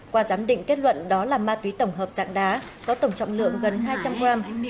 qua giám định kết luận đó là ma túy tổng hợp dạng đá có tổng trọng lượng gần hai trăm linh gram